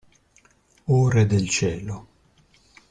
O Re del Cielo.